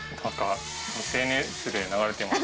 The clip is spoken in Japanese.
ＳＮＳで流れてました。